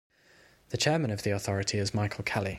The Chairman of the Authority is Michael Kelly.